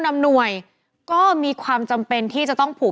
แฮปปี้เบิร์สเจทู